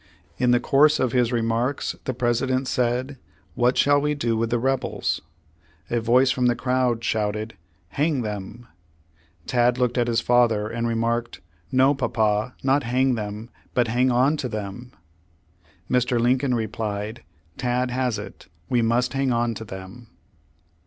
In the course of his remarks the President said, "What shall we do with the rebels?" A voice Page One Hundred sixty nine from the crowd shouted, "Hang them!" Tad looked at his father, and remarked: "No, papa, not hang them, but hang on to them !" Mr. Lin coln replied, "Tad has it, we must hang on to them."